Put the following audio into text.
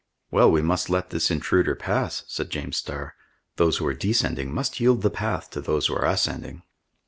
"Well, we must let this intruder pass," said James Starr. "Those who are descending must yield the path to those who are ascending."